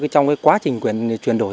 trong quá trình chuyển đổi